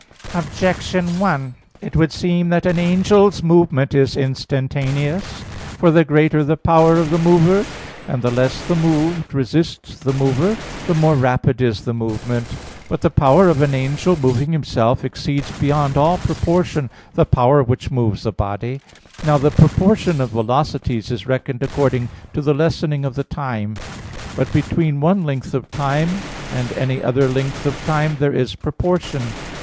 Objection 1: It would seem that an angel's movement is instantaneous. For the greater the power of the mover, and the less the moved resist the mover, the more rapid is the movement. But the power of an angel moving himself exceeds beyond all proportion the power which moves a body. Now the proportion of velocities is reckoned according to the lessening of the time. But between one length of time and any other length of time there is proportion.